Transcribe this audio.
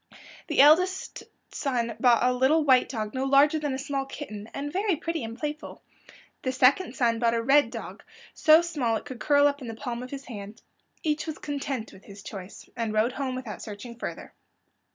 The eldest son bought a little white dog no larger than a small kitten, and very pretty and playful. The second son bought a red dog so small it could curl up in the palm of his hand. Each was content with his choice, and rode home without searching further.